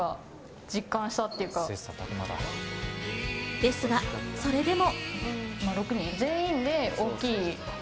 ですがそれでも。